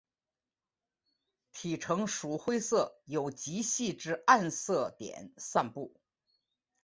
体成鼠灰色有极细之暗色点散布。